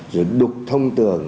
rồi đục thông tường